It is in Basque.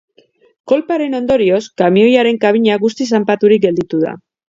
Kolpearen ondorioz, kamioaren kabina guztiz zanpaturik gelditu da.